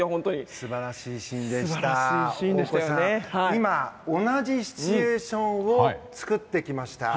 今、同じシチュエーションを作ってきました。